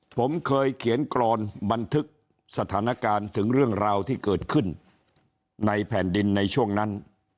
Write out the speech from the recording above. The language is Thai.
ผมเคยเขียนกรอนบันทึกสถานการณ์ถึงเรื่องราวที่เกิดขึ้นในแผ่นดินในช่วงนั้น